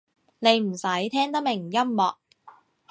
你唔使聽得明音樂